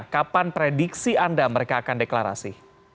kapan prediksi anda mereka akan deklarasi